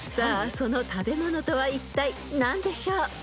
その食べ物とはいったい何でしょう］